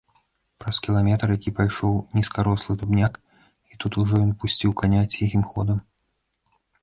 Праз кіламетр які пайшоў нізкарослы дубняк, і тут ужо ён пусціў каня ціхім ходам.